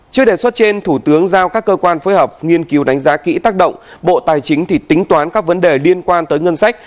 trước đề xuất trên thủ tướng giao các cơ quan phối hợp nghiên cứu đánh giá kỹ tác động bộ tài chính thì tính toán các vấn đề liên quan tới ngân sách